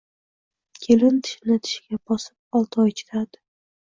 Kelin tishini tishiga bosib, olti oy chidadi